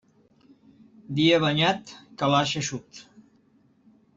Dia banyat, calaix eixut.